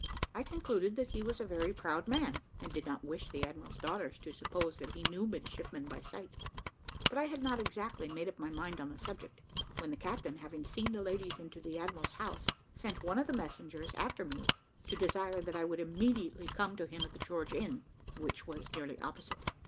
I concluded that he was a very proud man, and did not wish the admiral's daughters to suppose that he knew midshipmen by sight; but I had not exactly made up my mind on the subject, when the captain, having seen the ladies into the admiral's house, sent one of the messengers after me to desire that I would immediately come to him at the George Inn, which was nearly opposite.